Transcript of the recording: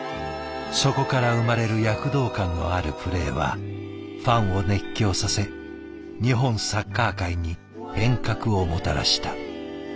そこから生まれる躍動感のあるプレーはファンを熱狂させ日本サッカー界に変革をもたらした。